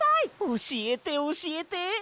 おしえておしえて。